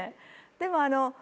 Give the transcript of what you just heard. でもあの。